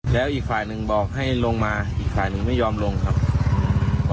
แล้วอีกฝ่ายหนึ่งบอกให้ลงมาอีกฝ่ายหนึ่งไม่ยอมลงครับ